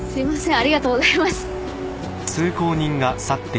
ありがとうございます。